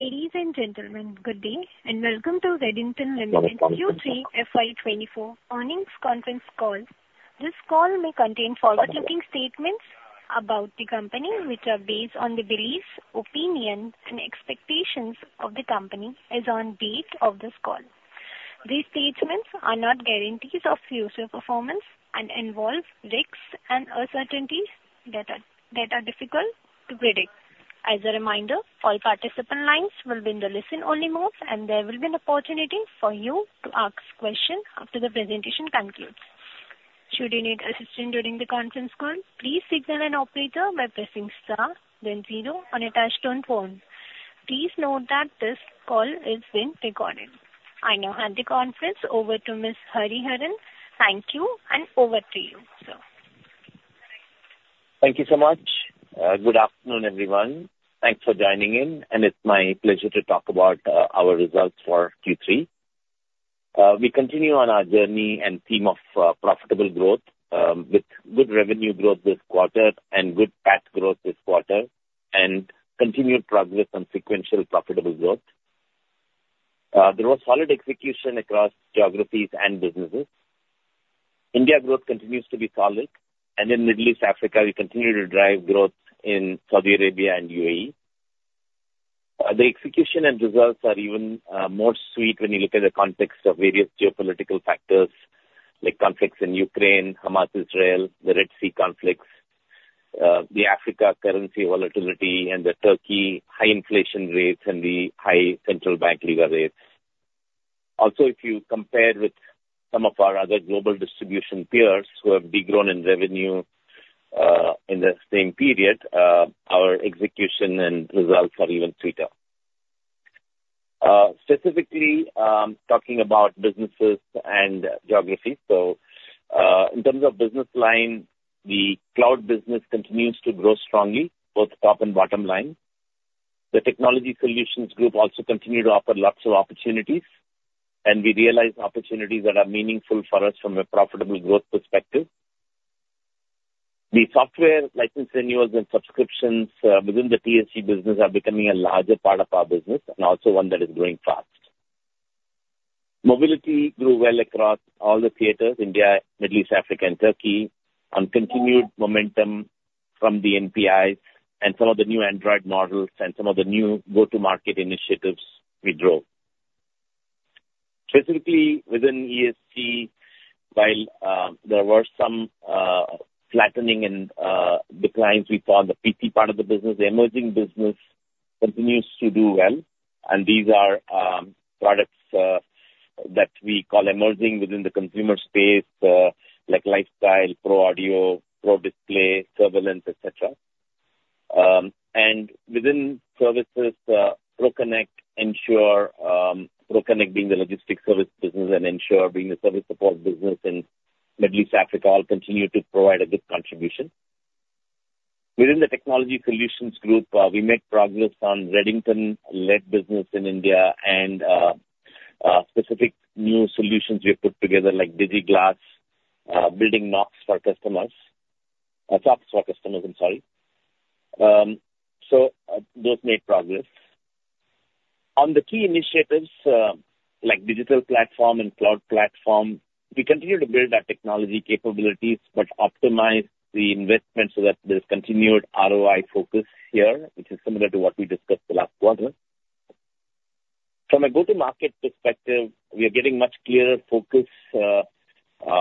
Ladies and gentlemen, good day, and welcome to Redington Limited Q3 FY 2024 earnings conference call. This call may contain forward-looking statements about the company, which are based on the beliefs, opinions, and expectations of the company as on date of this call. These statements are not guarantees of future performance and involve risks and uncertainties that are difficult to predict. As a reminder, all participant lines will be in the listen-only mode, and there will be an opportunity for you to ask questions after the presentation concludes. Should you need assistance during the conference call, please signal an operator by pressing star then zero on a touch-tone phone. Please note that this call is being recorded. I now hand the conference over to Mr. V. S. Hariharan. Thank you, and over to you, sir. Thank you so much. Good afternoon, everyone. Thanks for joining in, and it's my pleasure to talk about our results for Q3. We continue on our journey and theme of profitable growth with good revenue growth this quarter and good PAT growth this quarter and continued progress on sequential profitable growth. There was solid execution across geographies and businesses. India growth continues to be solid, and in Middle East Africa, we continue to drive growth in Saudi Arabia and UAE. The execution and results are even more sweet when you look at the context of various geopolitical factors, like conflicts in Ukraine, Hamas-Israel, the Red Sea conflicts, the Africa currency volatility, and the Turkey high inflation rates and the high central bank legal rates. Also, if you compare with some of our other global distribution peers who have de-grown in revenue in the same period, our execution and results are even sweeter. Specifically, talking about businesses and geographies. So, in terms of business line, the cloud business continues to grow strongly, both top and bottom line. The Technology Solutions Group also continues to offer lots of opportunities, and we realize opportunities that are meaningful for us from a profitable growth perspective. The software license renewals and subscriptions within the TSG business are becoming a larger part of our business and also one that is growing fast. Mobility grew well across all the theaters, India, Middle East, Africa, and Turkey, on continued momentum from the NPIs and some of the new Android models and some of the new go-to-market initiatives we drove. Specifically, within ESG, while there were some flattening and declines we saw on the PC part of the business, the emerging business continues to do well, and these are products that we call emerging within the consumer space, like lifestyle, pro audio, pro display, surveillance, et cetera. And within services, ProConnect, Ensure, ProConnect being the logistics service business and Ensure being the service support business in Middle East, Africa, all continue to provide a good contribution. Within the Technology Solutions Group, we made progress on Redington-led business in India and specific new solutions we put together like DigiGlass, building NOCs for customers, SOCs for customers, I'm sorry. So, those made progress. On the key initiatives, like digital platform and cloud platform, we continue to build our technology capabilities, but optimize the investment so that there's continued ROI focus here, which is similar to what we discussed the last quarter. From a go-to-market perspective, we are getting much clearer focus,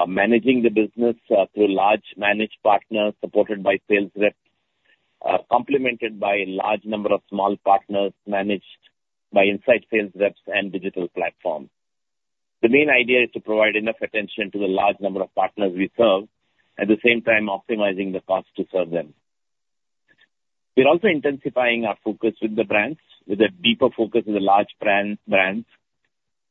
managing the business through large managed partners, supported by sales reps, complemented by a large number of small partners managed by inside sales reps and digital platform. The main idea is to provide enough attention to the large number of partners we serve, at the same time optimizing the cost to serve them. We're also intensifying our focus with the brands, with a deeper focus on the large brand, brands,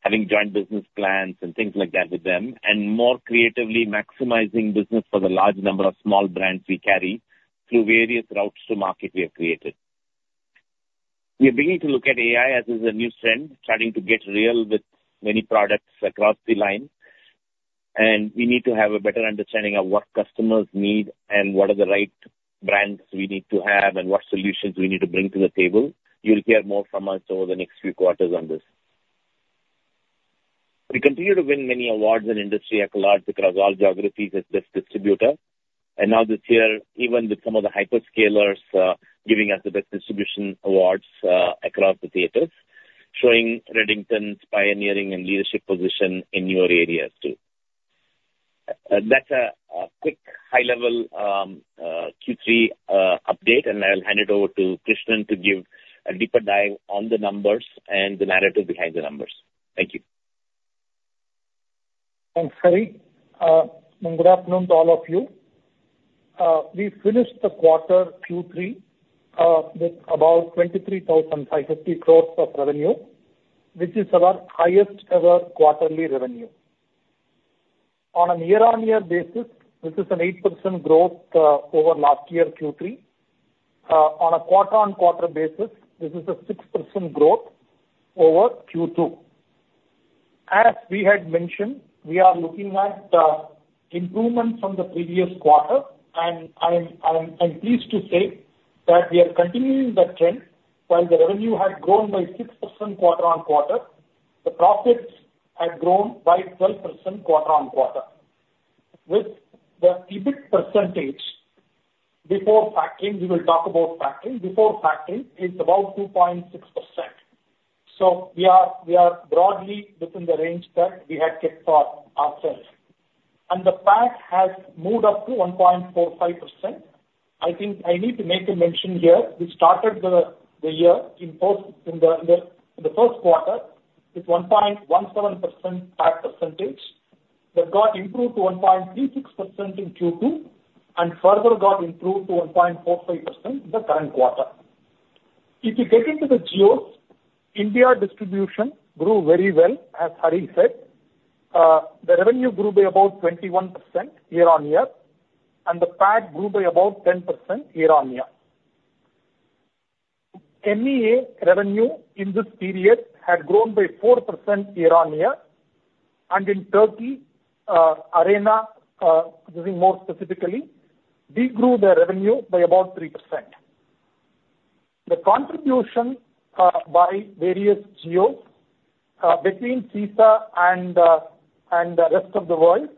having joint business plans and things like that with them, and more creatively maximizing business for the large number of small brands we carry through various routes to market we have created. We are beginning to look at AI as a new trend, starting to get real with many products across the line, and we need to have a better understanding of what customers need and what are the right brands we need to have and what solutions we need to bring to the table. You'll hear more from us over the next few quarters on this. We continue to win many awards and industry accolades across all geographies as best distributor, and now this year, even with some of the hyperscalers, giving us the best distribution awards, across the theaters, showing Redington's pioneering and leadership position in your areas, too. That's a quick high-level Q3 update, and I'll hand it over to Krishnan to give a deeper dive on the numbers and the narrative behind the numbers. Thank you. Thanks, Hari. Good afternoon to all of you. We finished the quarter Q3 with about 23,500 crore of revenue, which is our highest ever quarterly revenue. On a year-on-year basis, this is an 8% growth over last year, Q3. On a quarter-on-quarter basis, this is a 6% growth over Q2. ...As we had mentioned, we are looking at improvement from the previous quarter, and I'm pleased to say that we are continuing that trend. While the revenue had grown by 6% quarter-on-quarter, the profits had grown by 12% quarter-on-quarter. With the EBIT percentage, before factoring, we will talk about factoring, before factoring is about 2.6%. So we are broadly within the range that we had kept for ourselves. And the PAT has moved up to 1.45%. I think I need to make a mention here, we started the year in the first quarter with 1.17% PAT percentage. That got improved to 1.36% in Q2, and further got improved to 1.45% in the current quarter. If you get into the geos, India distribution grew very well, as Hari said. The revenue grew by about 21% year-on-year, and the PAT grew by about 10% year-on-year. MEA revenue in this period had grown by 4% year-on-year, and in Turkey, Arena, this is more specifically, we grew the revenue by about 3%. The contribution by various geos between SISA and the rest of the world,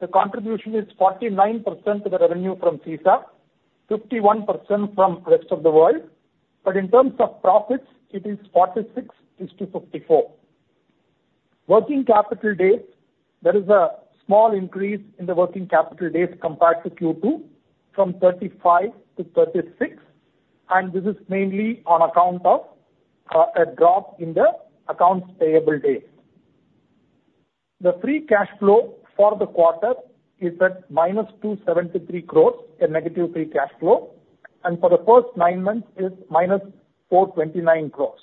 the contribution is 49% of the revenue from SISA, 51% from rest of the world, but in terms of profits, it is 46 to 54. Working capital days, there is a small increase in the working capital days compared to Q2, from 35 to 36, and this is mainly on account of a drop in the accounts payable days. The free cash flow for the quarter is at -273 crore, a negative free cash flow, and for the first nine months is -429 crore.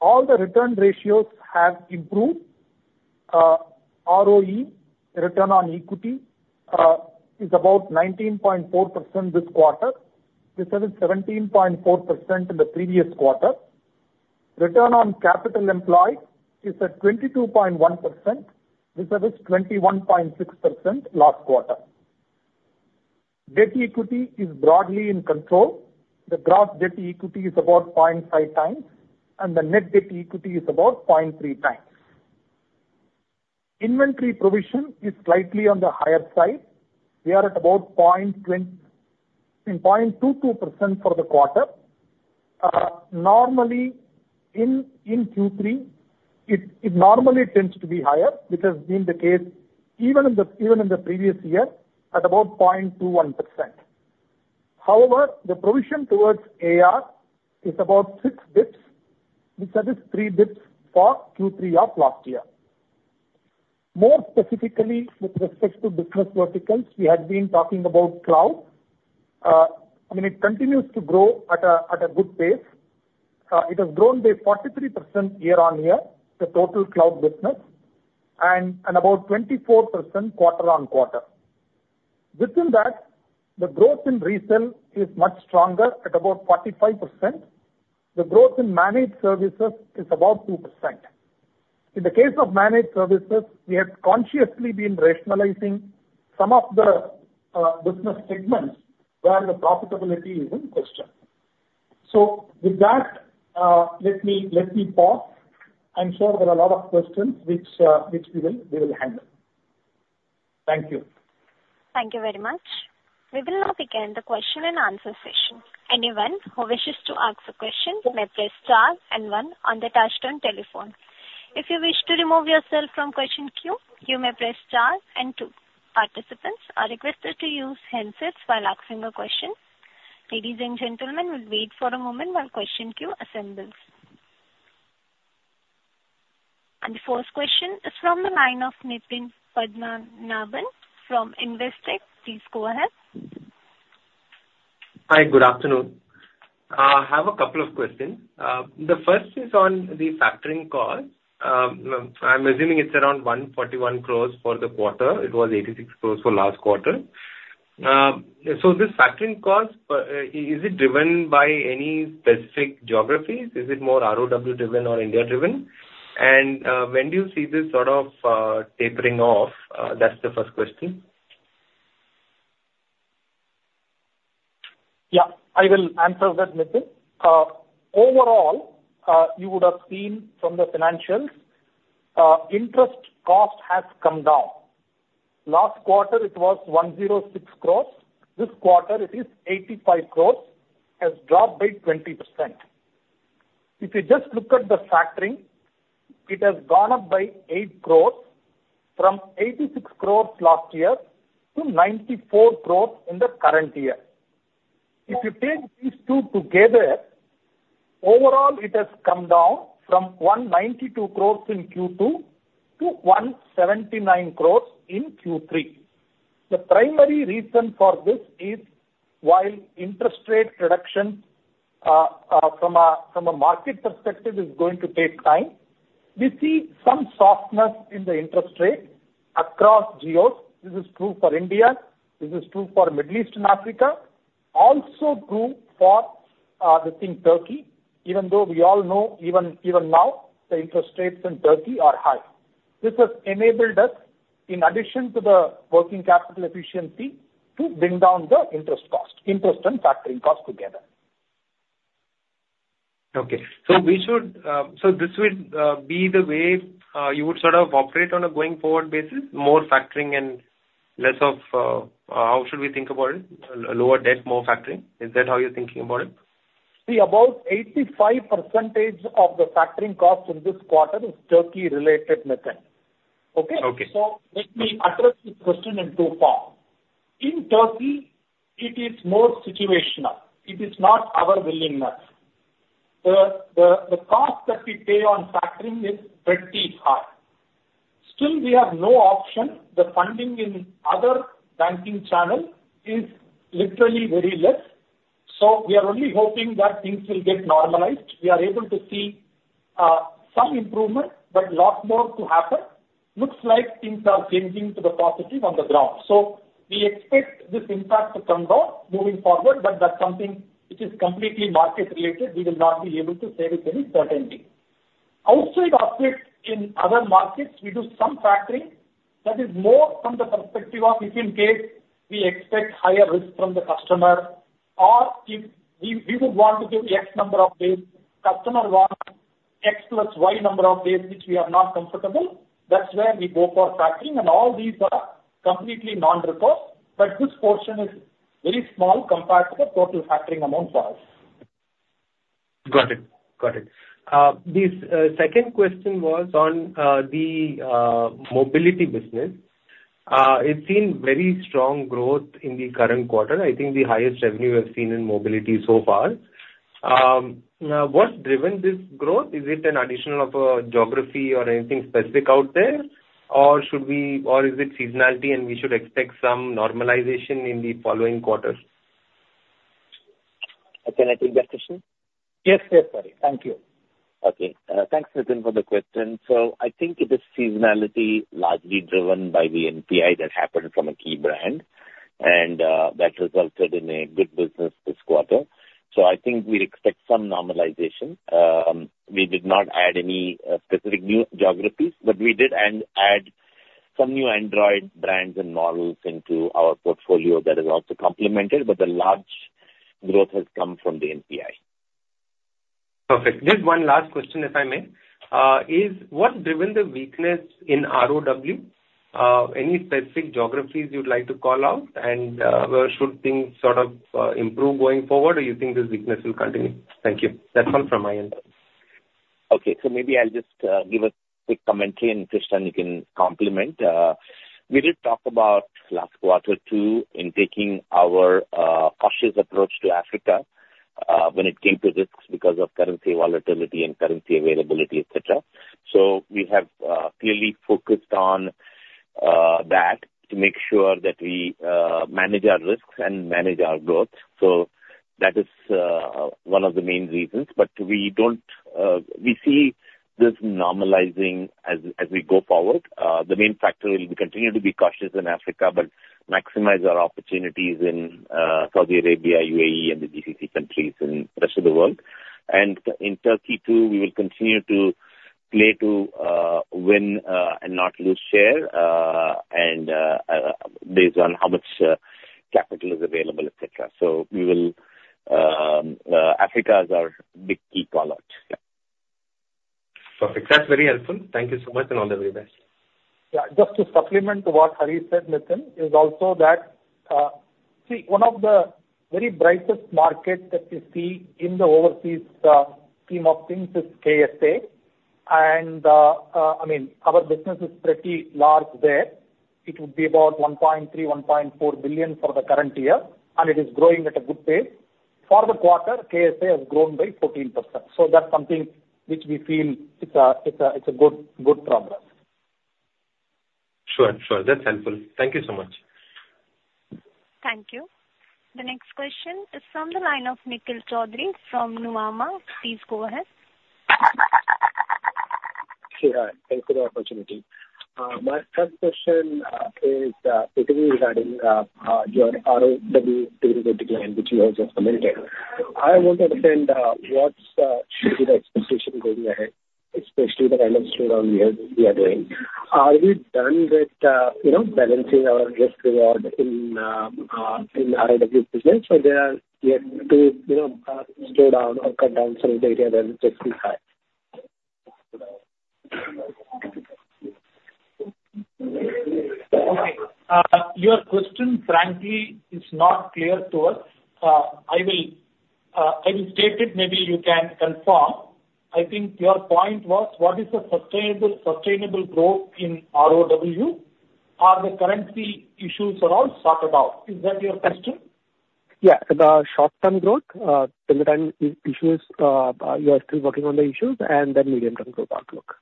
All the return ratios have improved. ROE, return on equity, is about 19.4% this quarter. This was at 17.4% in the previous quarter. Return on capital employed is at 22.1%, which was at 21.6% last quarter. Debt equity is broadly in control. The gross debt equity is about 0.5 times, and the net debt equity is about 0.3 times. Inventory provision is slightly on the higher side. We are at about 0.22% for the quarter. Normally in Q3, it normally tends to be higher, which has been the case even in the previous year, at about 0.21%. However, the provision towards AR is about six basis points, which is three basis points for Q3 of last year. More specifically, with respect to business verticals, we had been talking about cloud. I mean, it continues to grow at a good pace. It has grown by 43% year-on-year, the total cloud business, and about 24% quarter-on-quarter. Within that, the growth in resale is much stronger at about 45%. The growth in managed services is about 2%. In the case of managed services, we have consciously been rationalizing some of the business segments where the profitability is in question. With that, let me pause. I'm sure there are a lot of questions which we will handle. Thank you. Thank you very much. We will now begin the question and answer session. Anyone who wishes to ask a question may press star and one on the touchtone telephone. If you wish to remove yourself from question queue, you may press star and two. Participants are requested to use handsets while asking a question. Ladies and gentlemen, we'll wait for a moment while question queue assembles. The first question is from the line of Nitin Padmanabhan from Investec. Please go ahead. Hi, good afternoon. I have a couple of questions. The first is on the factoring cost. I'm assuming it's around 141 crore for the quarter. It was 86 crore for last quarter. So this factoring cost, is it driven by any specific geographies? Is it more ROW driven or India driven? And, when do you see this sort of tapering off? That's the first question. Yeah, I will answer that, Nitin. Overall, you would have seen from the financials, interest cost has come down. Last quarter it was 106 crore, this quarter it is 85 crore, has dropped by 20%. If you just look at the factoring, it has gone up by 8 crore, from 86 crore last year to 94 crore in the current year. If you take these two together, overall, it has come down from 192 crore in Q2 to 179 crore in Q3. The primary reason for this is, while interest rate reduction, from a, from a market perspective is going to take time, we see some softness in the interest rate across geos. This is true for India, this is true for Middle East and Africa, also true for-... Within Turkey, even though we all know, even now, the interest rates in Turkey are high. This has enabled us, in addition to the working capital efficiency, to bring down the interest cost, interest and factoring cost together. Okay. So this would be the way you would sort of operate on a going forward basis, more factoring and less of, how should we think about it? Lower debt, more factoring. Is that how you're thinking about it? See, about 85% of the factoring cost in this quarter is Turkey-related, Nitin. Okay? Okay. So let me address this question in two parts. In Turkey, it is more situational. It is not our willingness. The cost that we pay on factoring is pretty high. Still, we have no option. The funding in other banking channel is literally very less, so we are only hoping that things will get normalized. We are able to see some improvement, but lot more to happen. Looks like things are changing to the positive on the ground. So we expect this impact to come down moving forward, but that's something which is completely market related. We will not be able to say with any certainty. Outside of it, in other markets, we do some factoring that is more from the perspective of if in case we expect higher risk from the customer or if we would want to give X number of days, customer want X plus Y number of days, which we are not comfortable, that's where we go for factoring. All these are completely non-recourse, but this portion is very small compared to the total factoring amount for us. Got it. Got it. The second question was on the mobility business. It's seen very strong growth in the current quarter. I think the highest revenue I've seen in mobility so far. Now, what's driven this growth? Is it an addition of a geography or anything specific out there, or should we—or is it seasonality, and we should expect some normalization in the following quarters? Can I take that question? Yes, yes, Hari. Thank you. Okay. Thanks, Nitin, for the question. So I think it is seasonality largely driven by the NPI that happened from a key brand, and that resulted in a good business this quarter. So I think we'd expect some normalization. We did not add any specific new geographies, but we did add some new Android brands and models into our portfolio. That has also complemented, but the large growth has come from the NPI. Perfect. Just one last question, if I may. Is what driven the weakness in ROW? Any specific geographies you'd like to call out? And, should things sort of, improve going forward, or you think this weakness will continue? Thank you. That's all from my end. Okay. So maybe I'll just give a quick commentary, and, Krishnan, you can complement. We did talk about last quarter, too, in taking our cautious approach to Africa when it came to risks because of currency volatility and currency availability, et cetera. So we have clearly focused on that to make sure that we manage our risks and manage our growth. So that is one of the main reasons. But we don't. We see this normalizing as we go forward. The main factor will continue to be cautious in Africa, but maximize our opportunities in Saudi Arabia, UAE, and the GCC countries and rest of the world. And in Turkey, too, we will continue to play to win and not lose share, and based on how much capital is available, et cetera. So we will. Africa is our big key call-out. Yeah. Perfect. That's very helpful. Thank you so much, and all the very best. Yeah, just to supplement what Hari said, Nitin, is also that, see, one of the very brightest markets that we see in the overseas scheme of things is KSA. I mean, our business is pretty large there. It would be about $1.3 billion-$1.4 billion for the current year, and it is growing at a good pace. For the quarter, KSA has grown by 14%, so that's something which we feel it's a, it's a, it's a good, good progress. Sure, sure. That's helpful. Thank you so much. Thank you. The next question is from the line of Nikhil Choudhary from Nuvama. Please go ahead. Sure. Thanks for the opportunity. My first question is, it will be regarding your ROW degrowth, which you have just commented. I want to understand what should be the expectation going ahead, especially the kind of slowdown we are, we are doing. Are we done with, you know, balancing our risk reward in, in ROW business, or there are yet to, you know, slow down or cut down some of the Okay, your question frankly is not clear to us. I will state it, maybe you can confirm. I think your point was, what is the sustainable growth in ROW? Are the currency issues are all sorted out? Is that your question? Yeah, the short-term growth in the near-term issues. You are still working on the issues, and then medium-term growth outlook.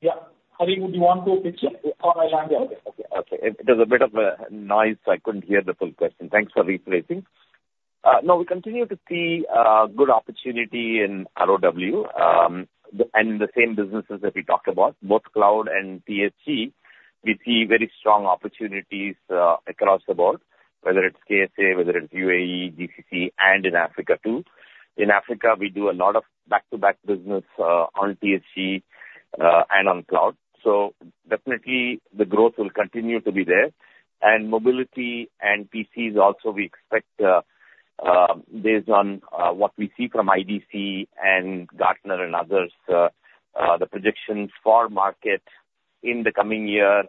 Yeah. Hari, would you want to pitch in or I learned it? Okay, okay. There's a bit of a noise. I couldn't hear the full question. Thanks for rephrasing. No, we continue to see good opportunity in ROW, and the same businesses that we talked about, both cloud and TSG. We see very strong opportunities across the board.... whether it's KSA, whether it's UAE, GCC, and in Africa, too. In Africa, we do a lot of back-to-back business on TSG, and on cloud. So definitely the growth will continue to be there. And mobility and PCs also, we expect based on what we see from IDC and Gartner and others, the projections for market in the coming year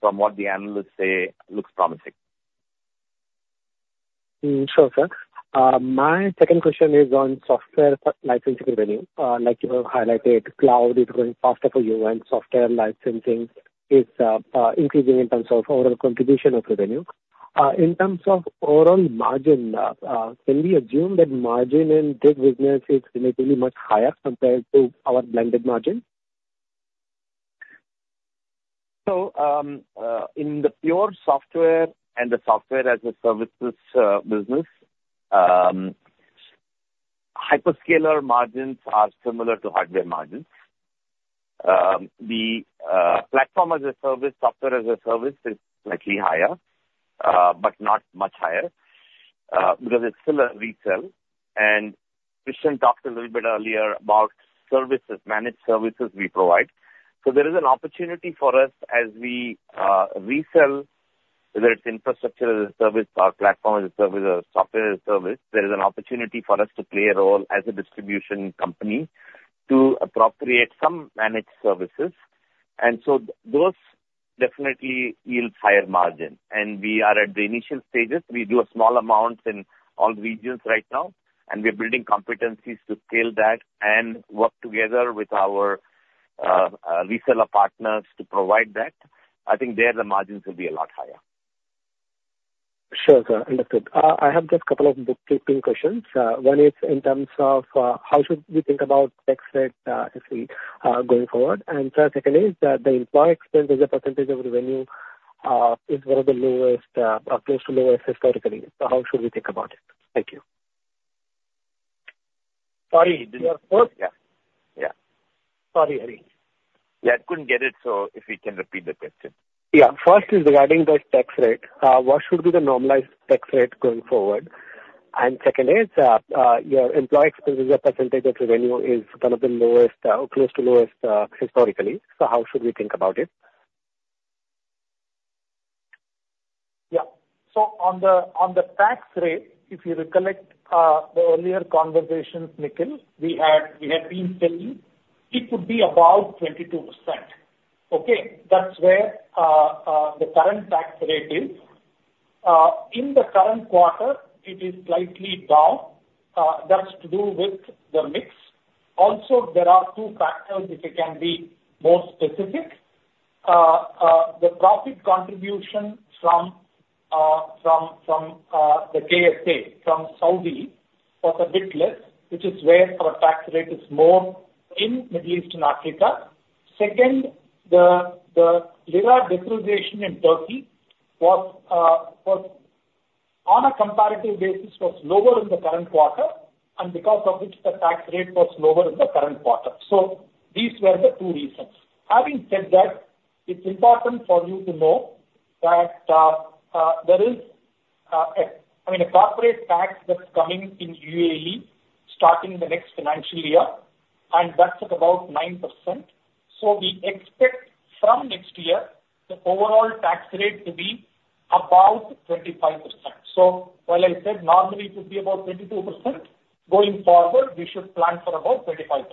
from what the analysts say, looks promising. Sure, sir. My second question is on software licensing revenue. Like you have highlighted, cloud is growing faster for you, and software licensing is increasing in terms of overall contribution of revenue. In terms of overall margin, can we assume that margin in this business is relatively much higher compared to our blended margin? So, in the pure software and the software as a services business, hyperscaler margins are similar to hardware margins. The platform as a service, software as a service is slightly higher, but not much higher, because it's still a resell. And Krishnan talked a little bit earlier about services, managed services we provide. So there is an opportunity for us as we resell, whether it's infrastructure as a service or platform as a service or software as a service, there is an opportunity for us to play a role as a distribution company to appropriate some managed services. And so those definitely yield higher margin, and we are at the initial stages. We do a small amount in all regions right now, and we are building competencies to scale that and work together with our reseller partners to provide that. I think there, the margins will be a lot higher. Sure, sir. Understood. I have just a couple of bookkeeping questions. One is in terms of how should we think about tax rate if we going forward? And secondly, the employee expense as a percentage of revenue is one of the lowest or close to lowest historically. So how should we think about it? Thank you. Sorry, did you have? Yeah. Yeah. Sorry, Hari. Yeah, I couldn't get it, so if you can repeat the question. Yeah. First is regarding the tax rate. What should be the normalized tax rate going forward? And second is, your employee expense as a percentage of revenue is one of the lowest, or close to lowest, historically. So how should we think about it? Yeah. So on the tax rate, if you recollect the earlier conversations, Nikhil, we had been telling it would be about 22%. Okay? That's where the current tax rate is. In the current quarter, it is slightly down. That's to do with the mix. Also, there are two factors, if I can be more specific. The profit contribution from the KSA, from Saudi, was a bit less, which is where our tax rate is more in Middle East and Africa. Second, the lira depreciation in Turkey was on a comparative basis lower in the current quarter, and because of which the tax rate was lower in the current quarter. So these were the two reasons. Having said that, it's important for you to know that there is a—I mean, a corporate tax that's coming in UAE, starting the next financial year, and that's at about 9%. So we expect from next year, the overall tax rate to be about 25%. So while I said normally it would be about 22%, going forward, we should plan for about 25%.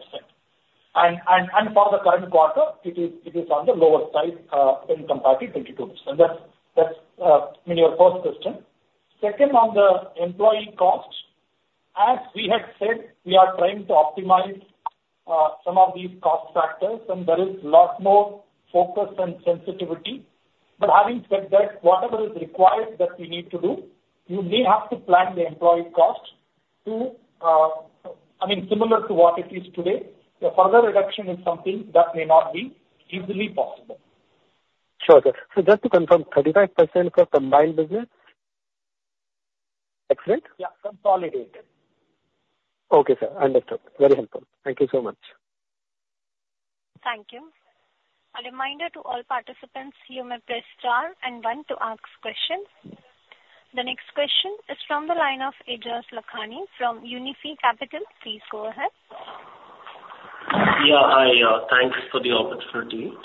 And for the current quarter, it is on the lower side when comparing to 22%. That's—I mean, your first question. Second, on the employee cost, as we had said, we are trying to optimize some of these cost factors, and there is lot more focus and sensitivity. But having said that, whatever is required that we need to do, you may have to plan the employee cost to, I mean, similar to what it is today. A further reduction is something that may not be easily possible. Sure, sir. So just to confirm, 35% for combined business? Tax rate? Yeah, consolidated. Okay, sir. Understood. Very helpful. Thank you so much. Thank you. A reminder to all participants, you may press star and one to ask questions. The next question is from the line of Aejas Lakhani from Unifi Capital. Please go ahead. Yeah, hi, thanks for the opportunity.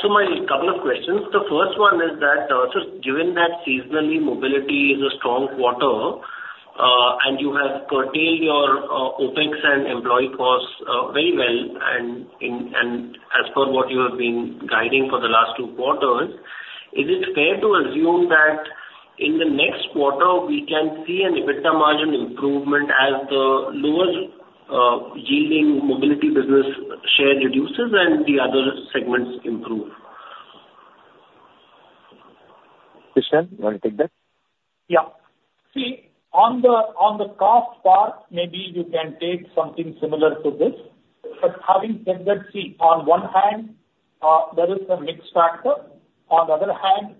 So my couple of questions. The first one is that, so given that seasonally mobility is a strong quarter, and you have curtailed your, OpEx and employee costs, very well, and in, and as per what you have been guiding for the last two quarters, is it fair to assume that in the next quarter, we can see an EBITDA margin improvement as the lower, yielding mobility business share reduces and the other segments improve? Krishnan, you want to take that? Yeah. See, on the cost part, maybe you can take something similar to this. But having said that, see, on one hand, there is a mix factor. On the other hand,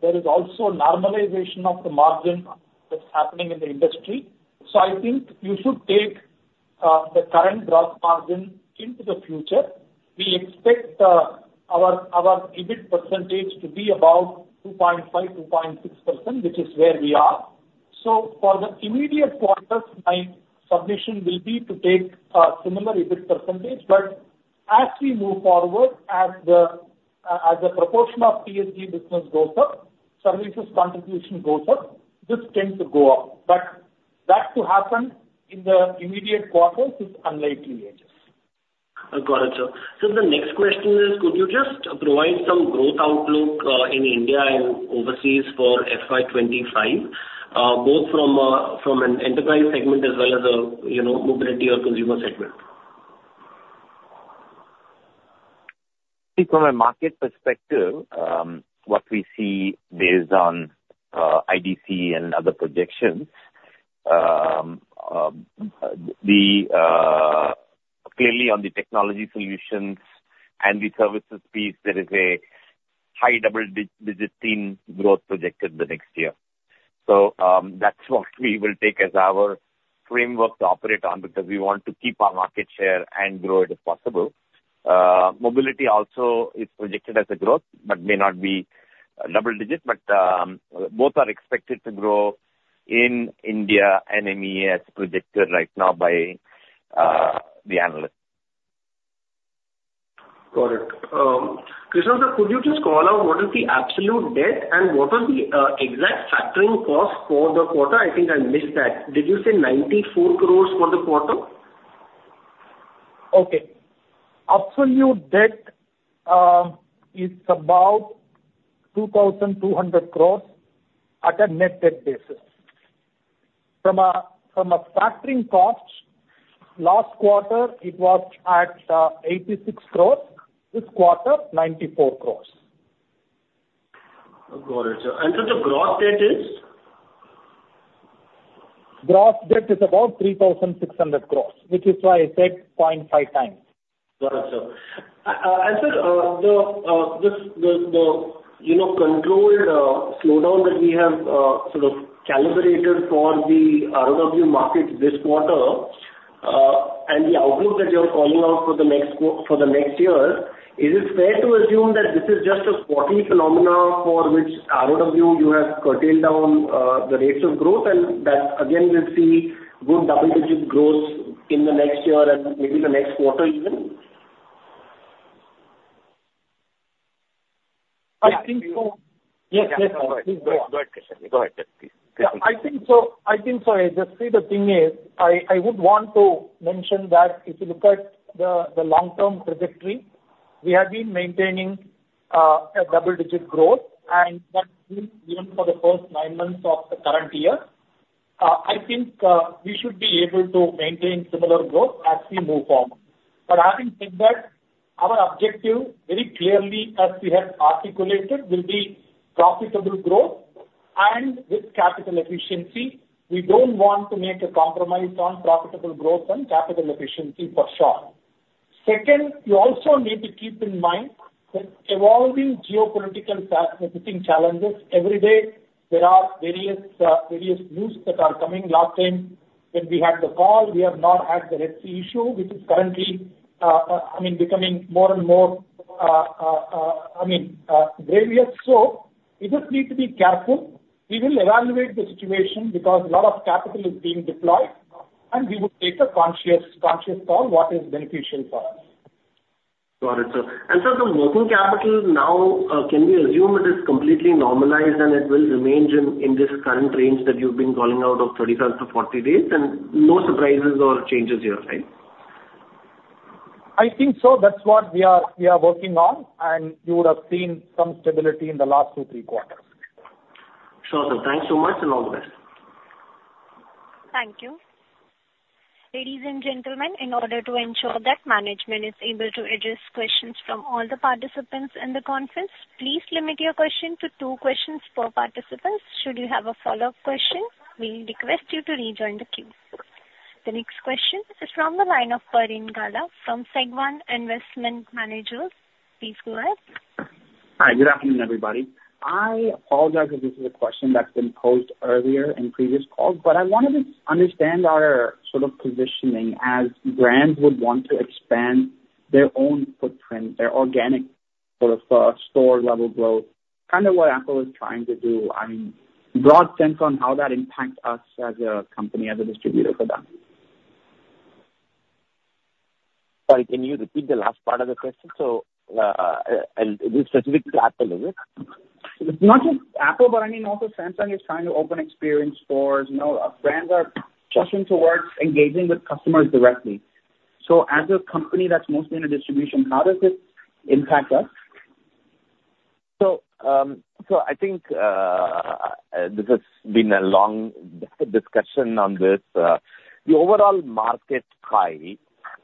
there is also normalization of the margin that's happening in the industry. So I think you should take the current growth margin into the future. We expect our EBIT percentage to be about 2.5%-2.6%, which is where we are. So for the immediate quarters, my submission will be to take a similar EBIT percentage. But as we move forward, as the proportion of TSG business goes up, services contribution goes up, this tends to go up. But that to happen in the immediate quarters is unlikely, Aejas. Got it, sir. So the next question is, could you just provide some growth outlook in India and overseas for FY 2025, both from an enterprise segment as well as, you know, mobility or consumer segment? I think from a market perspective, what we see based on IDC and other projections, clearly on the technology solutions and the services piece, there is a high double-digit teen growth projected the next year. So, that's what we will take as our framework to operate on, because we want to keep our market share and grow it if possible. Mobility also is projected as a growth, but may not be double digit, but both are expected to grow in India and EMEA, as projected right now by the analyst. Got it. Krishnan, could you just call out what is the absolute debt and what are the exact factoring costs for the quarter? I think I missed that. Did you say 94 crore for the quarter? Okay. Absolute debt is about 2,200 crore at a net debt basis. From a factoring cost, last quarter it was at 86 crore. This quarter, 94 crore. Got it, sir. So the gross debt is? Gross debt is about 3,600 crore, which is why I said 0.5 times. Got it, sir. And sir, this you know controlled slowdown that we have sort of calibrated for the ROW market this quarter, and the outlook that you're calling out for the next year, is it fair to assume that this is just a quarterly phenomena for which ROW you have curtailed down the rates of growth, and that again, we'll see good double-digit growth in the next year and maybe the next quarter even? I think so. Yes, yes. Go ahead. Go ahead, Krishnan. Go ahead, yes, please. Yeah, I think so, I think so, Aejas. See, the thing is, I, I would want to mention that if you look at the, the long-term trajectory, we have been maintaining a double-digit growth, and that's been even for the first nine months of the current year. I think we should be able to maintain similar growth as we move forward. But I think that our objective very clearly, as we have articulated, will be profitable growth and with capital efficiency. We don't want to make a compromise on profitable growth and capital efficiency, for sure. Second, you also need to keep in mind the evolving geopolitical facing challenges. Every day there are various, various news that are coming. Last time when we had the call, we have not had the Red Sea issue, which is currently, I mean, becoming more and more, I mean, various. So we just need to be careful. We will evaluate the situation because a lot of capital is being deployed, and we would take a conscious, conscious call what is beneficial for us. Got it, sir. Sir, the working capital now, can we assume it is completely normalized and it will remain in this current range that you've been calling out of 30-40 days, and no surprises or changes here, right? I think so. That's what we are, we are working on, and you would have seen some stability in the last 2, 3 quarters. Sure, sir. Thanks so much and all the best. Thank you. Ladies and gentlemen, in order to ensure that management is able to address questions from all the participants in the conference, please limit your question to two questions per participant. Should you have a follow-up question, we request you to rejoin the queue. The next question is from the line of Pareen Gada from SageOne Investment Managers. Please go ahead. Hi, good afternoon, everybody. I apologize if this is a question that's been posed earlier in previous calls, but I wanted to understand our sort of positioning as brands would want to expand their own footprint, their organic sort of, store-level growth, kind of what Apple is trying to do. I mean, broad sense on how that impacts us as a company, as a distributor for them. Sorry, can you repeat the last part of the question? So, is it specific to Apple, is it? Not just Apple, but I mean, also Samsung is trying to open experience stores. You know, brands are pushing towards engaging with customers directly. So as a company that's mostly in a distribution, how does this impact us? So, so I think, this has been a long discussion on this. The overall market pie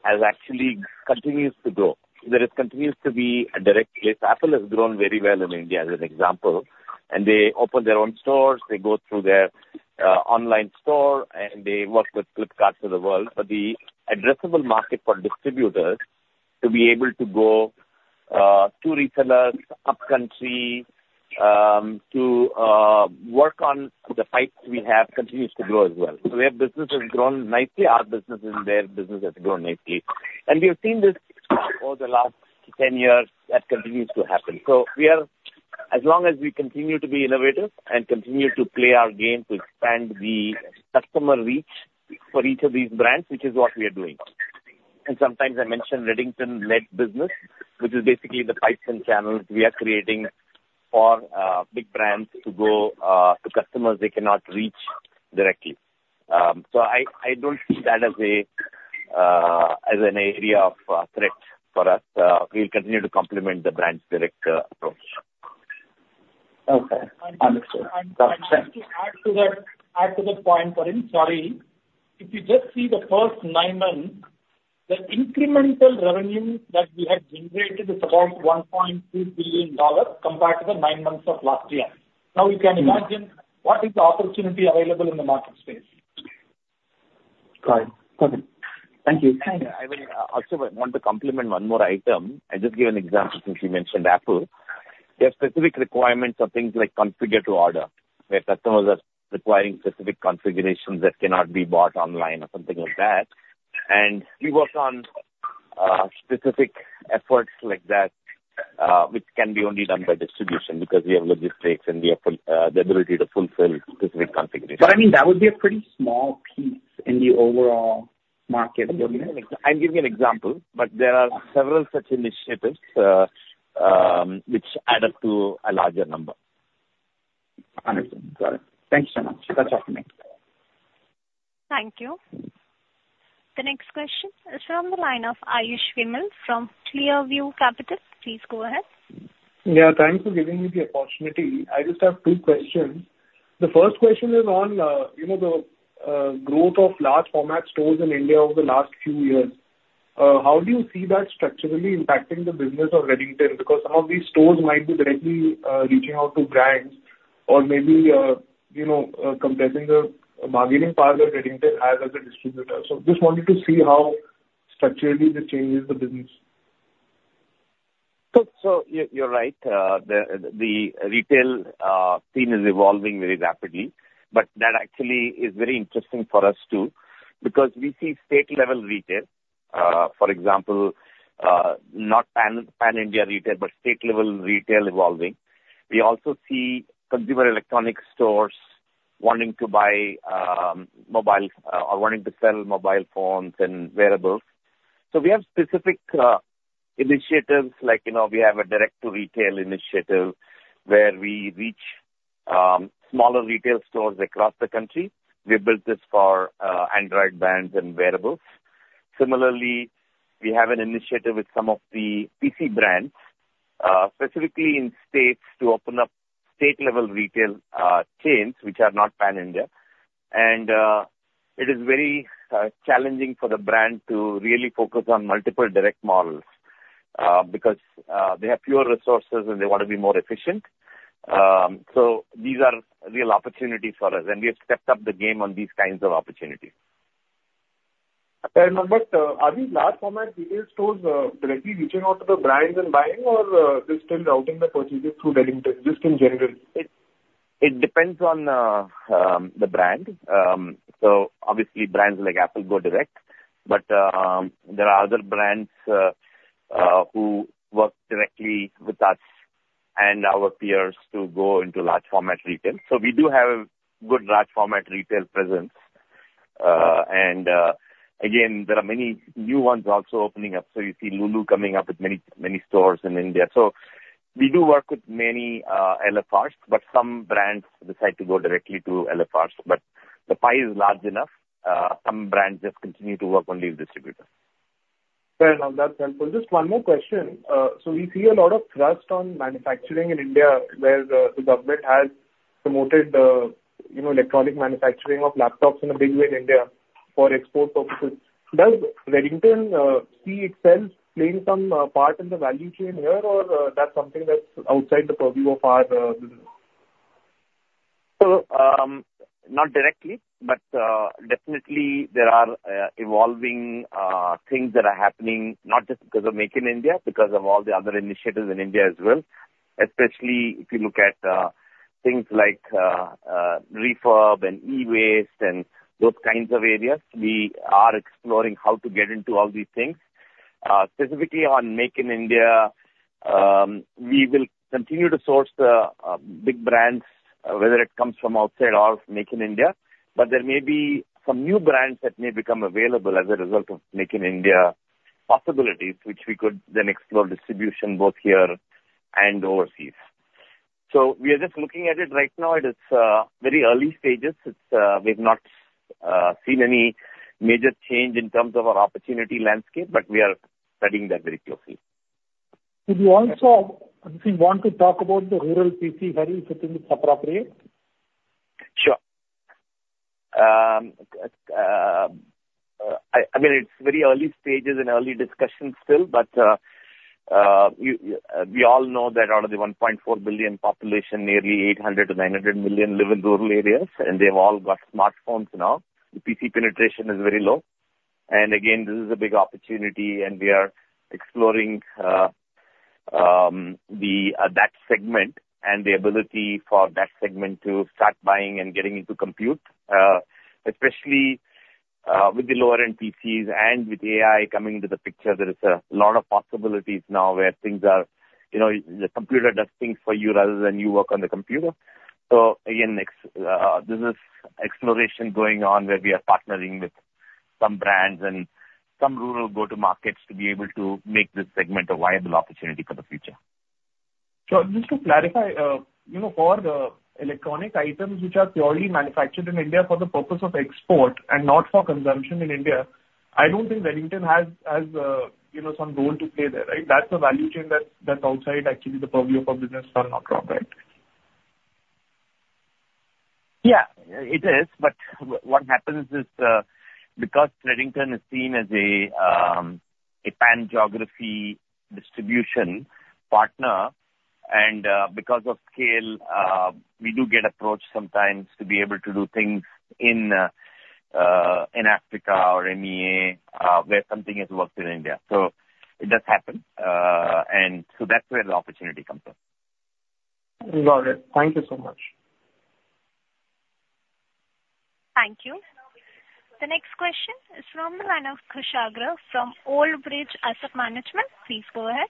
has actually continues to grow. There continues to be a direct place. Apple has grown very well in India, as an example, and they open their own stores, they go through their online store, and they work with Flipkarts of the world. But the addressable market for distributors to be able to go to retailers upcountry to work on the pipes we have continues to grow as well. So their business has grown nicely, our business and their business has grown nicely. And we have seen this over the last 10 years, that continues to happen. We are as long as we continue to be innovative and continue to play our game to expand the customer reach for each of these brands, which is what we are doing. And sometimes I mention Redington-led business, which is basically the pipes and channels we are creating for big brands to go to customers they cannot reach directly. I don't see that as an area of threat for us. We'll continue to complement the brand's direct approach. Okay. Understood. And to add to that point, Pareen, sorry. If you just see the first nine months, the incremental revenue that we have generated is about $1.2 billion compared to the nine months of last year. Now, you can imagine what is the opportunity available in the market space. Got it. Okay. Thank you. I will also want to complement one more item. I'll just give an example since you mentioned Apple. They have specific requirements of things like configure to order, where customers are requiring specific configurations that cannot be bought online or something like that. And we work on specific efforts like that, which can be only done by distribution, because we have logistics and we have the ability to fulfill specific configurations. But I mean, that would be a pretty small piece in the overall market, wouldn't it? I'll give you an example, but there are several such initiatives, which add up to a larger number. Understood. Got it. Thanks so much. That's all from me. Thank you. The next question is from the line of Ayush Vimal from Clearview Capital. Please go ahead. Yeah, thanks for giving me the opportunity. I just have two questions. The first question is on, you know, the growth of large format stores in India over the last few years. How do you see that structurally impacting the business of Redington? Because some of these stores might be directly reaching out to brands or maybe, you know, compressing the bargaining power that Redington has as a distributor. So just wanted to see how structurally this changes the business. So, you're right. The retail scene is evolving very rapidly, but that actually is very interesting for us, too, because we see state-level retail, for example, not pan-India retail, but state-level retail evolving. We also see consumer electronics stores wanting to buy mobile or wanting to sell mobile phones and wearables. So we have specific initiatives like, you know, we have a direct-to-retail initiative where we reach smaller retail stores across the country. We built this for Android brands and wearables. Similarly, we have an initiative with some of the PC brands, specifically in states, to open up state-level retail chains, which are not pan-India. And, it is very challenging for the brand to really focus on multiple direct models, because they have fewer resources and they want to be more efficient. So these are real opportunities for us, and we have stepped up the game on these kinds of opportunities. Fair enough. Are these large format retail stores directly reaching out to the brands and buying, or they're still routing the purchases through Redington, just in general? It depends on the brand. So obviously brands like Apple go direct, but there are other brands who work directly with us and our peers to go into large format retail. So we do have a good large format retail presence. And again, there are many new ones also opening up. So you see Lulu coming up with many, many stores in India. So we do work with many LFRs, but some brands decide to go directly to LFRs. But the pie is large enough, some brands just continue to work only with distributors. Fair enough. That's helpful. Just one more question. So we see a lot of thrust on manufacturing in India, where the government has promoted, you know, electronic manufacturing of laptops in a big way in India for export purposes. Does Redington see itself playing some part in the value chain here, or that's something that's outside the purview of our business? So, not directly, but, definitely there are evolving things that are happening not just because of Make in India, because of all the other initiatives in India as well. Especially if you look at things like refurb and e-waste and those kinds of areas, we are exploring how to get into all these things. Specifically on Make in India, we will continue to source the big brands, whether it comes from outside or Make in India. But there may be some new brands that may become available as a result of Make in India possibilities, which we could then explore distribution both here and overseas. So we are just looking at it. Right now, it is very early stages. We've not seen any major change in terms of our opportunity landscape, but we are studying that very closely. Could you also, if you want to talk about the rural PC, where you fit into it appropriately? Sure. I mean, it's very early stages and early discussions still, but we all know that out of the 1.4 billion population, nearly 800 million-900 million live in rural areas, and they've all got smartphones now. The PC penetration is very low, and again, this is a big opportunity, and we are exploring that segment and the ability for that segment to start buying and getting into compute. Especially with the lower-end PCs and with AI coming into the picture, there is a lot of possibilities now where things are, you know, the computer does things for you rather than you work on the computer. So again, next, this is exploration going on, where we are partnering with some brands and some rural go-to markets to be able to make this segment a viable opportunity for the future. So just to clarify, you know, for the electronic items which are purely manufactured in India for the purpose of export and not for consumption in India, I don't think Redington has, you know, some role to play there, right? That's a value chain that, that's outside actually the purview of our business, or not wrong, right? Yeah, it is. But what happens is, because Redington is seen as a, a pan-geography distribution partner, and, because of scale, we do get approached sometimes to be able to do things in, in Africa or MEA, where something has worked in India. So it does happen. And so that's where the opportunity comes in. Got it. Thank you so much. Thank you. The next question is from Pranav Kshatriya from Old Bridge Asset Management. Please go ahead.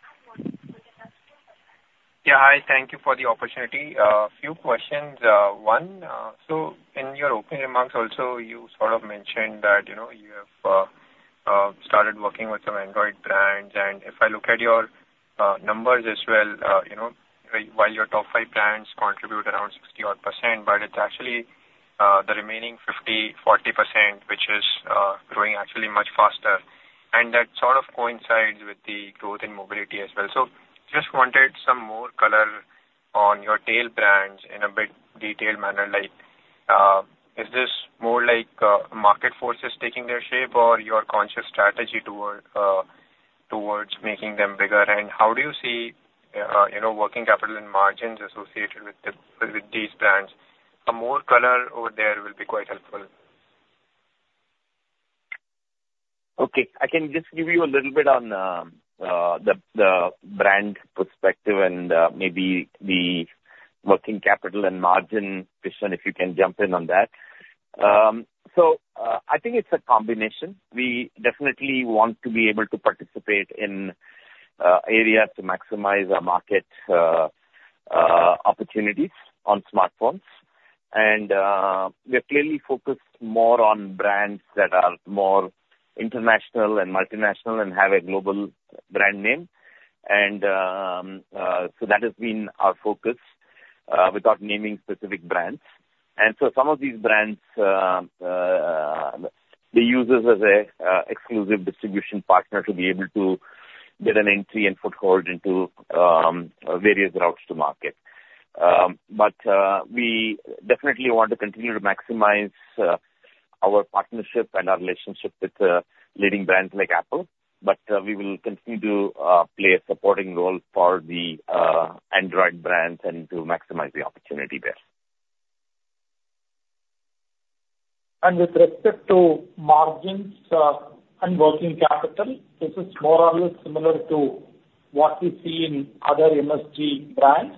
Yeah, hi. Thank you for the opportunity. A few questions. One, so in your opening remarks, also, you sort of mentioned that, you know, you have started working with some Android brands, and if I look at your numbers as well, you know, while your top five brands contribute around 60%, but it's actually the remaining 40%, which is growing actually much faster. And that sort of coincides with the growth in mobility as well. So just wanted some more color on your tail brands in a bit detailed manner, like, is this more like market forces taking their shape or your conscious strategy toward towards making them bigger? And how do you see, you know, working capital and margins associated with the with these brands? A more color over there will be quite helpful. Okay, I can just give you a little bit on the brand perspective and maybe the working capital and margin. Krishnan, if you can jump in on that. So, I think it's a combination. We definitely want to be able to participate in areas to maximize our market opportunities on smartphones. And we are clearly focused more on brands that are more international and multinational and have a global brand name. And so that has been our focus without naming specific brands. And so some of these brands they use us as a exclusive distribution partner to be able to get an entry and foothold into various routes to market. But we definitely want to continue to maximize our partnership and our relationship with leading brands like Apple. But, we will continue to play a supporting role for the Android brands and to maximize the opportunity there. With respect to margins, and working capital, this is more or less similar to what we see in other MSG brands.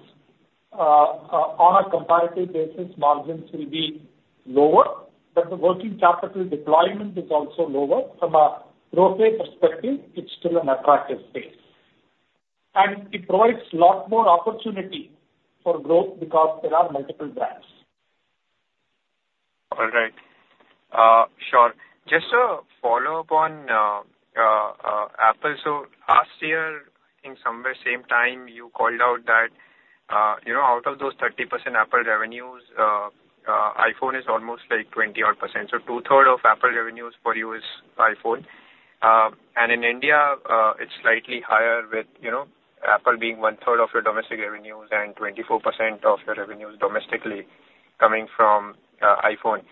On a comparative basis, margins will be lower, but the working capital deployment is also lower. From a growth rate perspective, it's still an attractive space, and it provides a lot more opportunity for growth because there are multiple brands. All right. Sure. Just a follow-up on Apple. So last year, I think somewhere same time, you called out that, you know, out of those 30% Apple revenues, iPhone is almost like 20-odd%. So 2/3 of Apple revenues for you is iPhone. And in India, it's slightly higher with, you know, Apple being 1/3 of your domestic revenues and 24% of your revenues domestically coming from iPhone.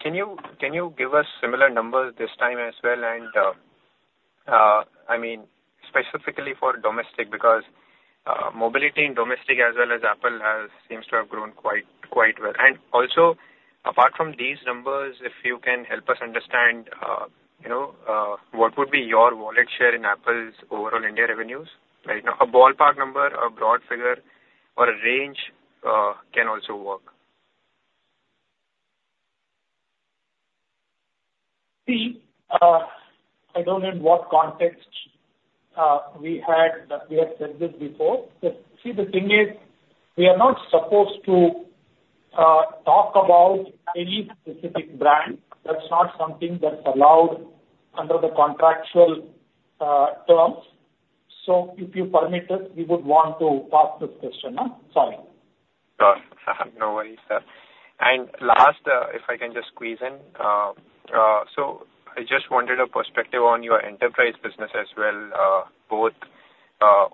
Can you give us similar numbers this time as well? And I mean, specifically for domestic, because mobility in domestic as well as Apple seems to have grown quite, quite well. And also, apart from these numbers, if you can help us understand, you know, what would be your wallet share in Apple's overall India revenues? Right now, a ballpark number, a broad figure, or a range, can also work. See, I don't know in what context we had said this before. But see, the thing is, we are not supposed to talk about any specific brand. That's not something that's allowed under the contractual terms. So if you permit us, we would want to pass this question on. Sorry. Sure. No worries, sir. And last, if I can just squeeze in, so I just wanted a perspective on your enterprise business as well, both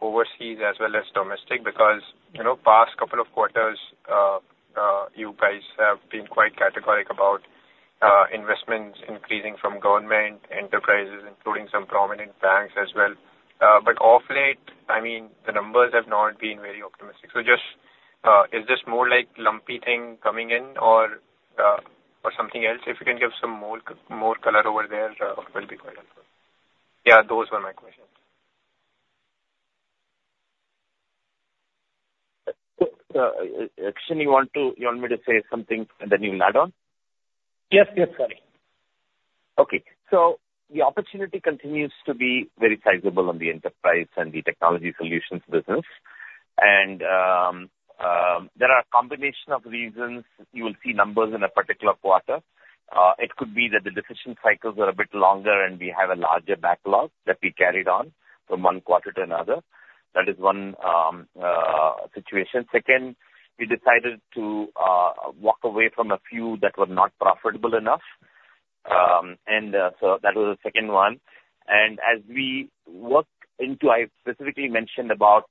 overseas as well as domestic, because, you know, past couple of quarters you guys have been quite categorical about investments increasing from government enterprises, including some prominent banks as well. But of late, I mean, the numbers have not been very optimistic. So just, is this more like lumpy thing coming in or, or something else? If you can give some more color over there, will be quite helpful. Yeah, those were my questions. Krishnan, you want me to say something and then you add on? Yes. Yes, Hari. Okay. So the opportunity continues to be very sizable on the enterprise and the technology solutions business. There are a combination of reasons you will see numbers in a particular quarter. It could be that the decision cycles are a bit longer, and we have a larger backlog that we carried on from one quarter to another. That is one situation. Second, we decided to walk away from a few that were not profitable enough. That was the second one. As we work into, I specifically mentioned about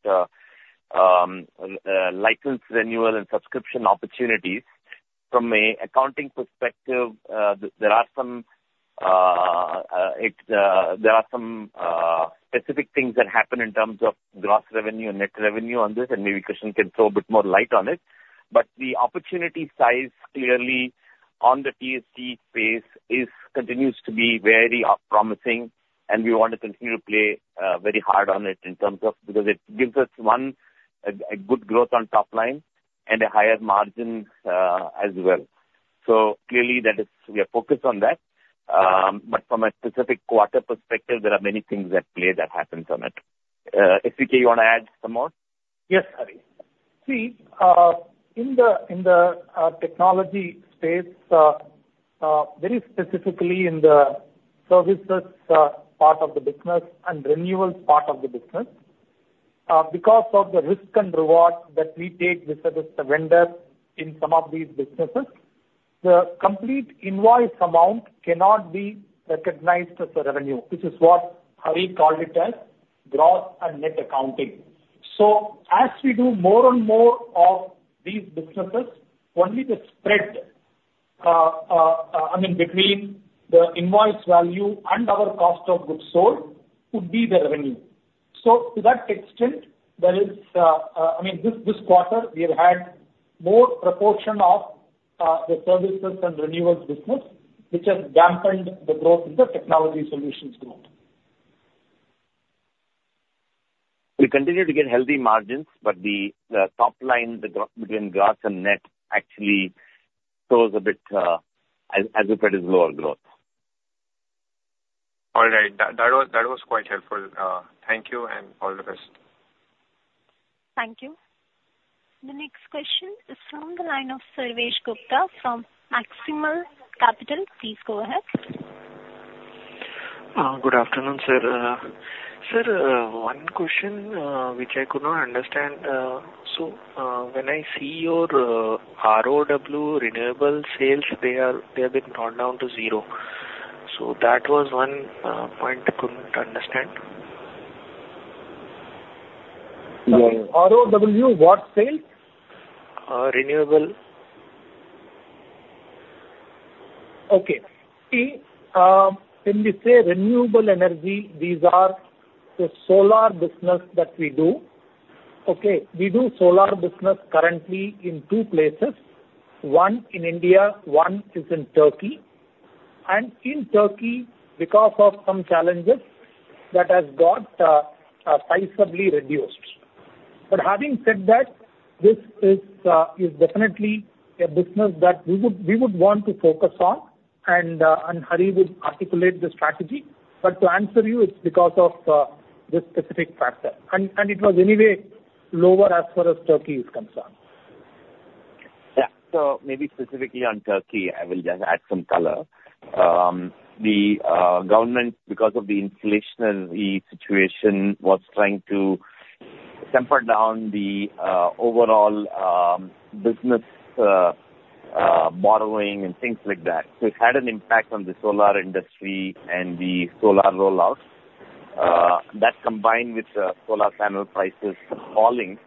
license renewal and subscription opportunities. From an accounting perspective, there are some specific things that happen in terms of gross revenue and net revenue on this, and maybe Krishnan can throw a bit more light on it. But the opportunity size, clearly, on the TSG space is continues to be very, promising, and we want to continue to play, very hard on it in terms of... Because it gives us, one, a, a good growth on top line and a higher margin, as well. So clearly, that is, we are focused on that. But from a specific quarter perspective, there are many things at play that happens on it. SK, you want to add some more? Yes, Hari. See, in the technology space, very specifically in the services part of the business and renewals part of the business, because of the risk and reward that we take with the vendor in some of these businesses, the complete invoice amount cannot be recognized as a revenue, which is what Hari called it as gross and net accounting. So as we do more and more of these businesses, only the spread, I mean, between the invoice value and our cost of goods sold, could be the revenue. So to that extent, there is, I mean, this quarter, we have had more proportion of the services and renewals business, which has dampened the growth in the technology solutions growth. We continue to get healthy margins, but the top line, the between gross and net actually shows a bit, as if it is lower growth. All right. That was quite helpful. Thank you and all the best. Thank you. The next question is from the line of Sarvesh Gupta from Maximal Capital. Please go ahead. Good afternoon, sir. Sir, one question, which I could not understand. So, when I see your ROW renewable sales, they have been brought down to zero. So that was one point I couldn't understand. ROW, what sales? Uh, renewable. Okay. See, when we say renewable energy, these are the solar business that we do. Okay? We do solar business currently in two places, one in India, one is in Turkey. And in Turkey, because of some challenges, that has got sizable reduced. But having said that, this is definitely a business that we would, we would want to focus on, and and Hari would articulate the strategy. But to answer you, it's because of this specific factor. And it was anyway lower as far as Turkey is concerned. Yeah. So maybe specifically on Turkey, I will just add some color. The government, because of the inflationary situation, was trying to temper down the overall business borrowing and things like that. So it had an impact on the solar industry and the solar rollouts. That, combined with the solar panel prices falling,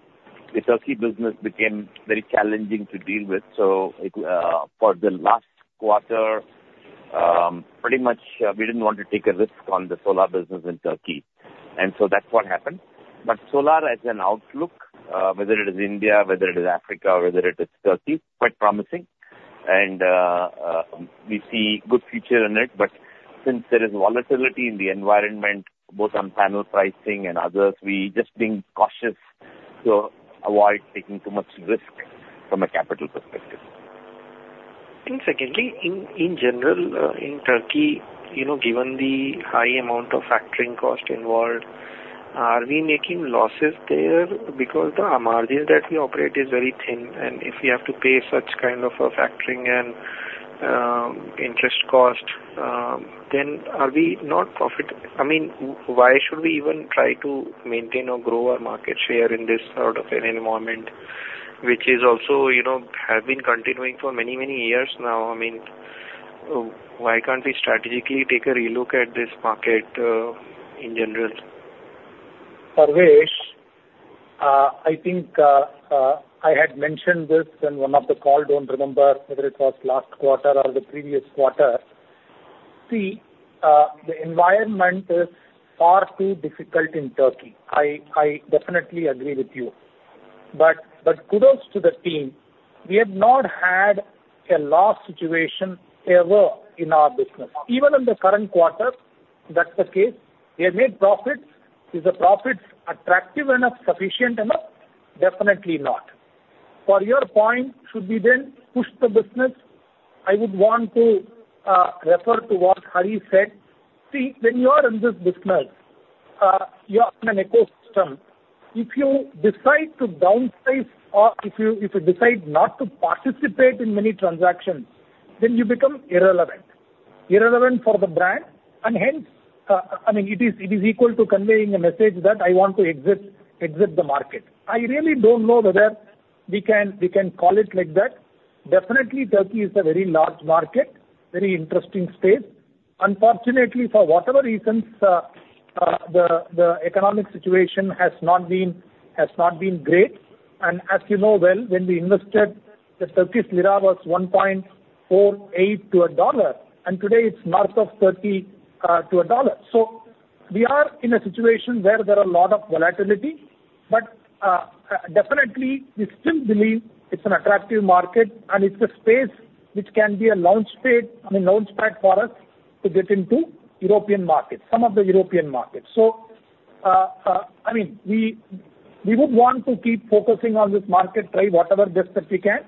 the Turkey business became very challenging to deal with. So it, for the last quarter, pretty much, we didn't want to take a risk on the solar business in Turkey, and so that's what happened. But solar as an outlook, whether it is India, whether it is Africa, or whether it is Turkey, quite promising. And we see good future in it. But since there is volatility in the environment, both on panel pricing and others, we just being cautious to avoid taking too much risk from a capital perspective. Secondly, in general, in Turkey, you know, given the high amount of factoring cost involved, are we making losses there? Because the margin that we operate is very thin, and if we have to pay such kind of a factoring and interest cost, then are we not profit? I mean, why should we even try to maintain or grow our market share in this sort of an environment, which is also, you know, have been continuing for many, many years now? I mean, why can't we strategically take a relook at this market, in general? ... Sarvesh, I think, I had mentioned this in one of the call, don't remember whether it was last quarter or the previous quarter. See, the environment is far too difficult in Turkey. I definitely agree with you. But kudos to the team, we have not had a loss situation ever in our business. Even in the current quarter, that's the case, we have made profits. Is the profits attractive enough, sufficient enough? Definitely not. For your point, should we then push the business? I would want to refer to what Hari said. See, when you are in this business, you are in an ecosystem. If you decide to downsize or if you decide not to participate in many transactions, then you become irrelevant. Irrelevant for the brand, and hence, I mean, it is equal to conveying a message that I want to exit the market. I really don't know whether we can call it like that. Definitely, Turkey is a very large market, very interesting space. Unfortunately, for whatever reasons, the economic situation has not been great. And as you know well, when we invested, the 1.48 Turkish lira to $1, and today it's north of 30 to $1. So we are in a situation where there are a lot of volatility, but definitely, we still believe it's an attractive market, and it's a space which can be a launch pad, I mean, for us to get into European markets, some of the European markets. So, I mean, we would want to keep focusing on this market, try whatever best that we can.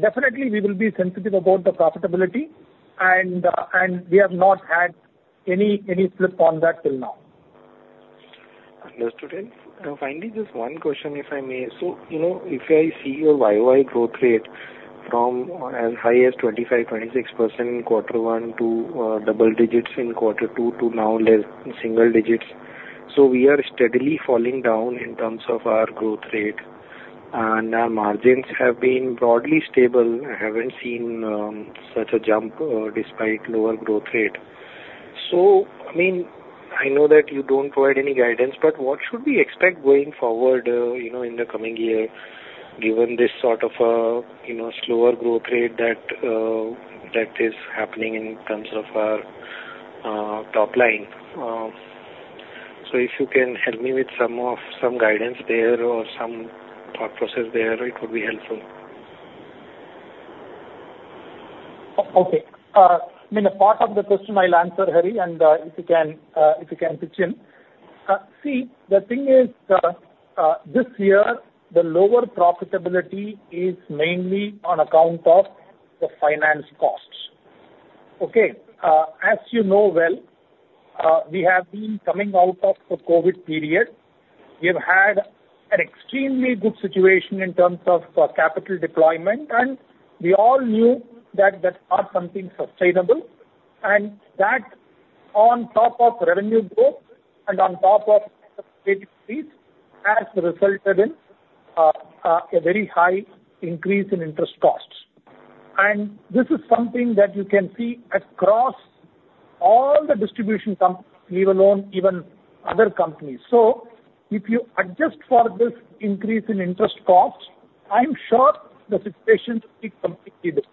Definitely, we will be sensitive about the profitability, and we have not had any slip on that till now. Understood. Finally, just one question, if I may. So, you know, if I see your year-over-year growth rate from as high as 25%-26% in quarter one to double digits in quarter two, to now less in single digits. We are steadily falling down in terms of our growth rate, and our margins have been broadly stable. I haven't seen such a jump despite lower growth rate. I mean, I know that you don't provide any guidance, but what should we expect going forward, you know, in the coming year, given this sort of a, you know, slower growth rate that is happening in terms of our top line? If you can help me with some guidance there or some thought process there, it would be helpful. Okay. I mean, a part of the question I'll answer, Hari, and, if you can, if you can pitch in. See, the thing is, this year, the lower profitability is mainly on account of the finance costs. Okay? As you know well, we have been coming out of the COVID period. We've had an extremely good situation in terms of, capital deployment, and we all knew that that's not something sustainable, and that on top of revenue growth and on top of has resulted in, a very high increase in interest costs. And this is something that you can see across all the distribution companies, leave alone even other companies. So if you adjust for this increase in interest costs, I'm sure the situation is completely different.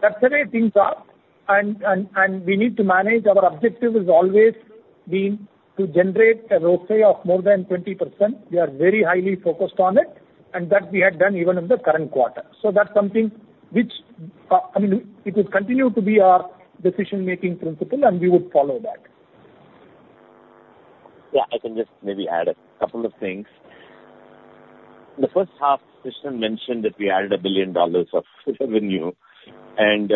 That's the way things are, and we need to manage. Our objective has always been to generate a ROCE of more than 20%. We are very highly focused on it, and that we have done even in the current quarter. That's something which, I mean, it would continue to be our decision-making principle, and we would follow that. Yeah, I can just maybe add a couple of things. In the first half, Krishnan mentioned that we added $1 billion of revenue, and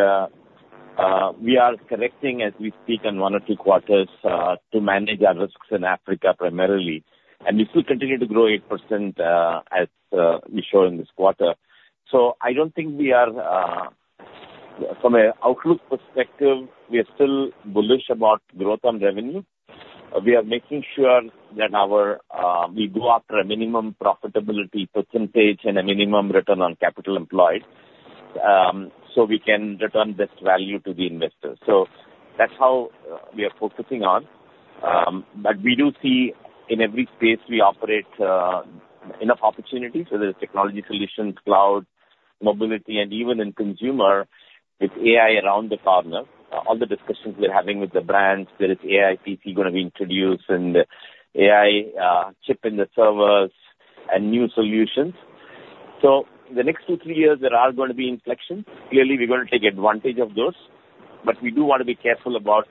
we are correcting as we speak on one or two quarters to manage our risks in Africa primarily, and we still continue to grow 8% as we show in this quarter. So I don't think we are from an outlook perspective, we are still bullish about growth on revenue. We are making sure that our we go after a minimum profitability percentage and a minimum return on capital employed, so we can return best value to the investors. So that's how we are focusing on. But we do see in every space we operate enough opportunities, whether it's technology solutions, cloud, mobility, and even in consumer, with AI around the corner. All the discussions we're having with the brands, whether it's AI PC going to be introduced and AI chip in the servers and new solutions. So the next 2-3 years, there are going to be inflections. Clearly, we're going to take advantage of those, but we do want to be careful about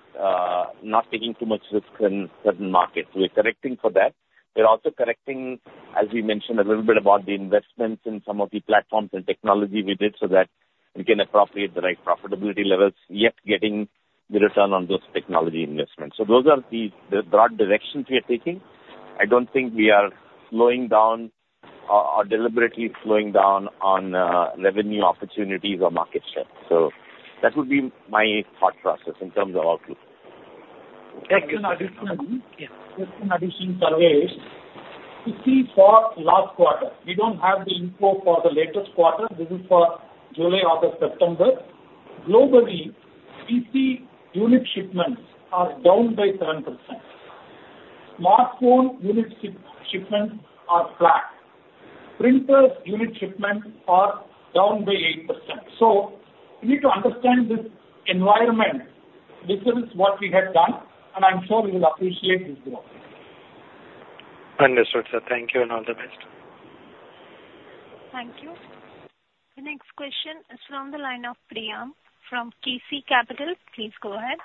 not taking too much risk in certain markets. We're correcting for that. We're also correcting, as we mentioned, a little bit about the investments in some of the platforms and technology we did, so that we can appropriate the right profitability levels, yet getting the return on those technology investments. So those are the broad directions we are taking. I don't think we are slowing down or deliberately slowing down on revenue opportunities or market share. So that would be my thought process in terms of outlook. Just an addition, Sarvesh. You see for last quarter, we don't have the info for the latest quarter. This is for July, August, September.... globally, PC unit shipments are down by 7%. Smartphone unit shipments are flat. Printers unit shipments are down by 8%. So we need to understand this environment. This is what we have done, and I'm sure you will appreciate this growth. Understood, sir. Thank you and all the best. Thank you. The next question is from the line of Priyam from KC Capital. Please go ahead.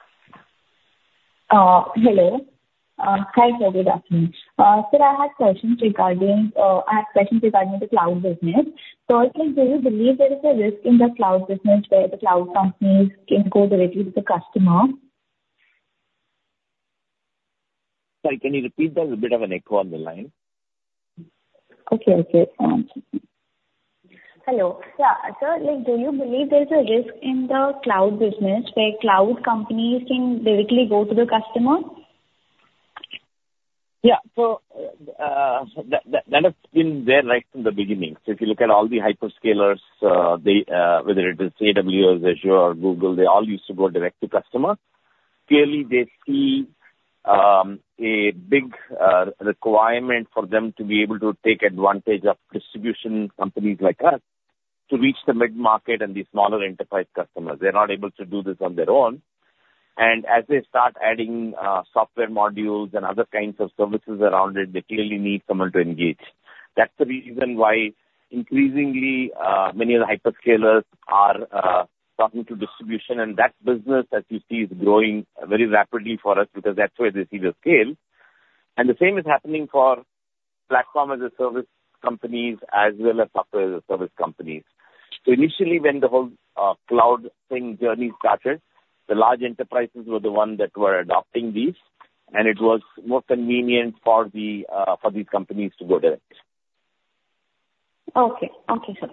Hello. Hi, sir. Good afternoon. Sir, I had questions regarding the cloud business. So, like, do you believe there is a risk in the cloud business, where the cloud companies can go directly to the customer? Sorry, can you repeat? There's a bit of an echo on the line. Okay. Okay. Hello. Yeah, sir, like, do you believe there's a risk in the cloud business, where cloud companies can directly go to the customer? Yeah. So, that has been there right from the beginning. So if you look at all the hyperscalers, they, whether it is AWS, Azure, or Google, they all used to go direct to customer. Clearly, they see a big requirement for them to be able to take advantage of distribution companies like us to reach the mid-market and the smaller enterprise customers. They're not able to do this on their own. And as they start adding software modules and other kinds of services around it, they clearly need someone to engage. That's the reason why increasingly many of the hyperscalers are talking to distribution, and that business, as you see, is growing very rapidly for us because that's where they see the scale. The same is happening for platform as a service companies as well as software as a service companies. Initially, when the whole cloud thing journey started, the large enterprises were the ones that were adopting these, and it was more convenient for these companies to go direct. Okay. Okay, sir.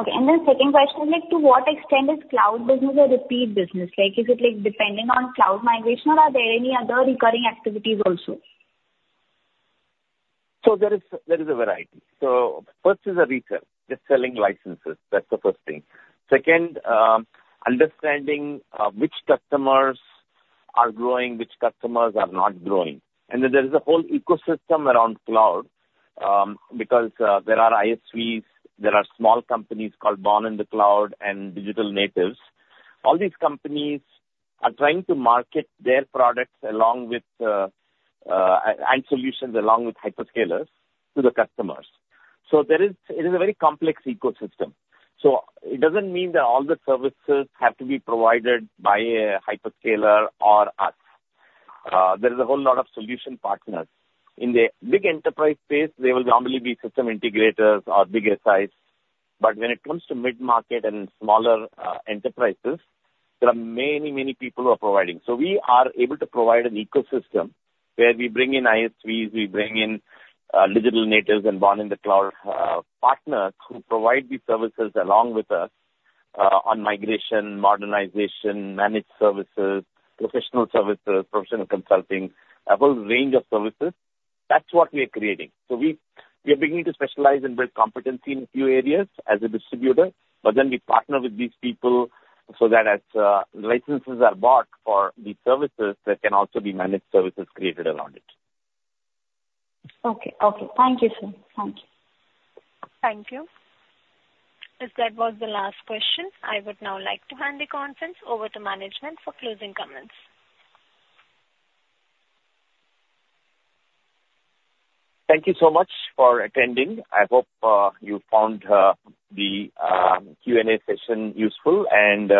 Okay, and then second question, like, to what extent is cloud business a repeat business? Like, is it, like, depending on cloud migration or are there any other recurring activities also? So there is, there is a variety. So first is a retail. Just selling licenses. That's the first thing. Second, understanding, which customers are growing, which customers are not growing. And then there is a whole ecosystem around cloud, because there are ISVs, there are small companies called born in the cloud and digital natives. All these companies are trying to market their products along with, and solutions along with hyperscalers to the customers. So there is... It is a very complex ecosystem, so it doesn't mean that all the services have to be provided by a hyperscaler or us. There is a whole lot of solution partners. In the big enterprise space, they will normally be system integrators or bigger size, but when it comes to mid-market and smaller enterprises, there are many, many people who are providing. So we are able to provide an ecosystem where we bring in ISVs, we bring in, digital natives and born in the cloud, partners who provide these services along with us, on migration, modernization, managed services, professional services, professional consulting, a whole range of services. That's what we are creating. So we are beginning to specialize and build competency in a few areas as a distributor, but then we partner with these people so that as, licenses are bought for these services, there can also be managed services created around it. Okay. Okay. Thank you, sir. Thank you. Thank you. If that was the last question, I would now like to hand the conference over to management for closing comments. Thank you so much for attending. I hope you found the Q&A session useful, and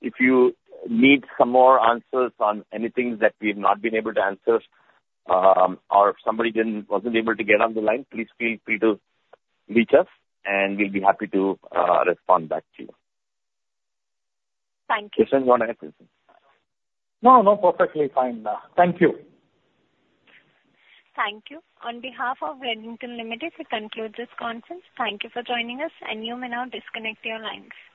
if you need some more answers on anything that we've not been able to answer, or if somebody wasn't able to get on the line, please feel free to reach us, and we'll be happy to respond back to you. Thank you. Jason, want to add anything? No, no. Perfectly fine. Thank you. Thank you. On behalf of Redington Limited, we conclude this conference. Thank you for joining us, and you may now disconnect your lines.